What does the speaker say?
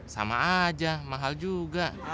sama aja mahal juga